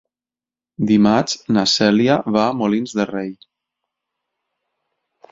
Dimarts na Cèlia va a Molins de Rei.